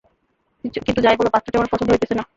কিন্তু যাই বল পাত্রটি আমার পছন্দ হইতেছে না।